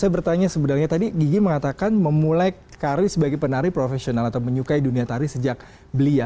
saya bertanya sebenarnya tadi gigi mengatakan memulai karir sebagai penari profesional atau menyukai dunia tari sejak belia